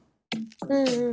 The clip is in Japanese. うんうん。